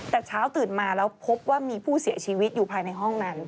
แต่เช้าตื่นมาแล้วพบว่ามีผู้เสียชีวิตอยู่ภายในห้องนั้น